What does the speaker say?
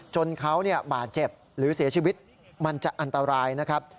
จนเขาบาดเจ็บหรือเสียชีวิตมันจะอันตรายนะครับ